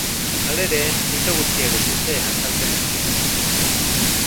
Halere, mito guztiek ez dute azalpen helbururik.